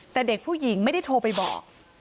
แต่เด็กผู้หญิงไม่ได้โทรไปบอก